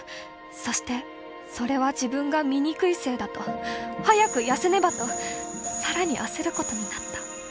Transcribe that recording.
そしてそれは自分が醜いせいだと早く痩せねばとさらに焦ることになった」。